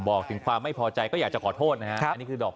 บอกถึงความไม่พอใจก็อยากจะขอโทษนะฮะอันนี้คือดอก